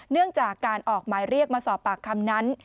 เนื่องจากการออกหมายเรียกมาสอบปากคำนั้น